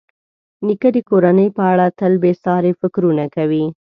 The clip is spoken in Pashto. نیکه د کورنۍ په اړه تل بېساري فکرونه کوي.